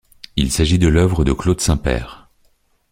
Il s'agit de l’œuvre de Claude Saint-Père.